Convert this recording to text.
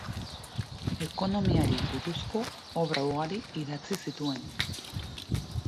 Ekonomiari buruzko obra ugari idatzi zituen.